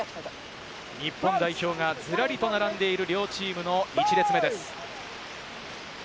日本代表がずらりと並んでいる、両チームの１列目です。